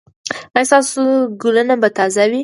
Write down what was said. ایا ستاسو ګلونه به تازه وي؟